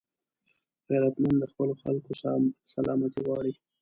غیرتمند د خپلو خلکو سلامتي غواړي